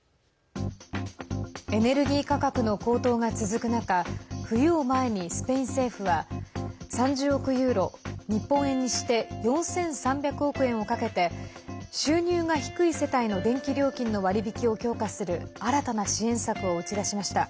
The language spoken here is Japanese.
エネルギー価格の高騰が続く中冬を前にスペイン政府は３０億ユーロ、日本円にして４３００億円をかけて収入が低い世帯の電気料金の割引を強化する新たな支援策を打ち出しました。